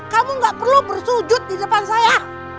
kamu gak perlu bersujud di depan saya